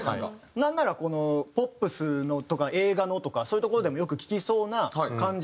なんならポップスのとか映画のとかそういうところでもよく聴きそうな感じ。